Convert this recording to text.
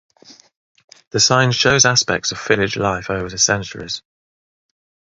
The sign shows aspects of village life over the centuries.